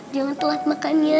jangan telat makan ya